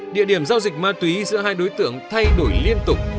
địa điểm giao dịch ma túy giữa hai đối tượng thay đổi liên tục